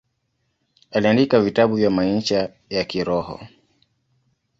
Aliandika vitabu vya maisha ya kiroho.